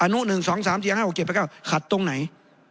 นุ๑๒๓๔๕๖๗๘๙ขัดตรงไหน